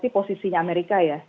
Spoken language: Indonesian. posisinya amerika ya